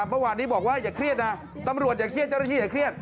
เมื่อวานนี้บอกว่าอย่าเครียดนะตำรวจอย่าเครียดเจ้าหน้าที่อย่าเครียด